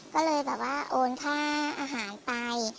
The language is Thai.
ก็เลยแบบว่าโอนค่าอาหารไป